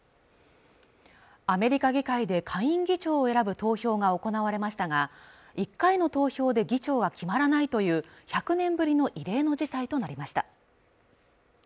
アメリカ議会で下院議長を選ぶ投票が行われましたが１回の投票で議長が決まらないという１００年ぶりの異例の事態となりました